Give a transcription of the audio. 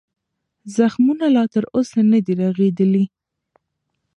زخمونه لا تر اوسه نه دي رغېدلي.